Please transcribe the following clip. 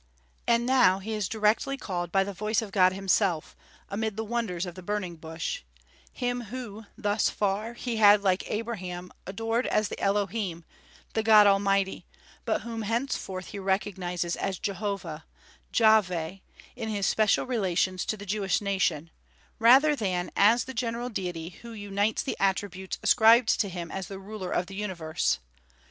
And now he is directly called by the voice of God himself, amid the wonders of the burning bush, Him whom, thus far, he had, like Abraham, adored as the Elohim, the God Almighty, but whom henceforth he recognizes as Jehovah (Jahveh) in His special relations to the Jewish nation, rather than as the general Deity who unites the attributes ascribed to Him as the ruler of the universe.